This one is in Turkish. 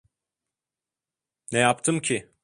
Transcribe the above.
Ne yaptım ki?